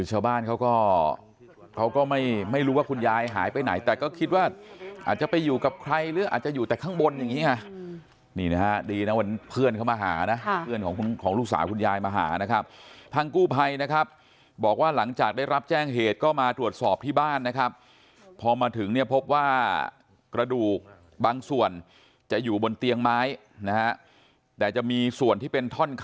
ชาวบ้านเขาก็เขาก็ไม่รู้ว่าคุณยายหายไปไหนแต่ก็คิดว่าอาจจะไปอยู่กับใครหรืออาจจะอยู่แต่ข้างบนอย่างนี้ไงนี่นะฮะดีนะวันเพื่อนเขามาหานะเพื่อนของคุณของลูกสาวคุณยายมาหานะครับทางกู้ภัยนะครับบอกว่าหลังจากได้รับแจ้งเหตุก็มาตรวจสอบที่บ้านนะครับพอมาถึงเนี่ยพบว่ากระดูกบางส่วนจะอยู่บนเตียงไม้นะฮะแต่จะมีส่วนที่เป็นท่อนค